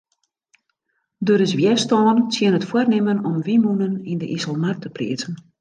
Der is wjerstân tsjin it foarnimmen om wynmûnen yn de Iselmar te pleatsen.